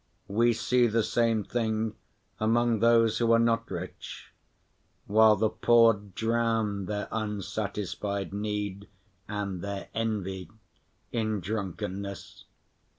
We see the same thing among those who are not rich, while the poor drown their unsatisfied need and their envy in drunkenness.